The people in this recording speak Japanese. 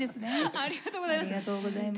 ありがとうございます。